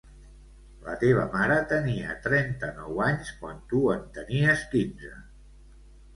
La teva mare tenia trenta-nou anys, quan tu en tenies quinze.